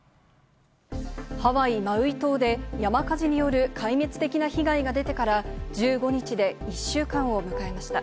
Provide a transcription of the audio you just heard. ハワイ・マウイ島で山火事による壊滅的な被害が出てから、１５日で１週間を迎えました。